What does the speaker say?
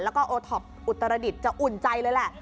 แล้วก็โอท็อปอุตรดิษฐ์จะอุ่นใจเลยแหละ